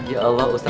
ya allah ustadz